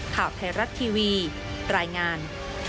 ข่าวไทยรัฐทีวีรายงาน